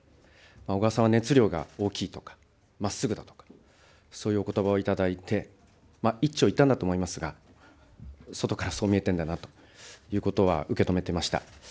小川さんは熱量が大きいと、まっすぐだとか、そういうおことばを頂いて、一長一短だと思いますが、外からそう見えてるんだなということは受け止めていました。